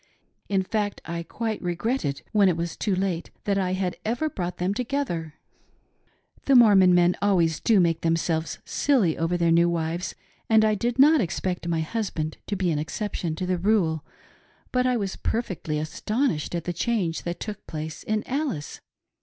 In fact I quite regretted, when it was too late, that I had ever brought them together. " The Mormon men always do make themselves silly over their new wives, and I did not expect my husband to be an exception to the rule ; but I was perfectly astonished at the change that took place in Alice.